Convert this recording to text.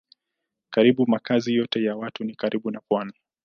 Karibu makazi yote ya watu ni karibu na pwani.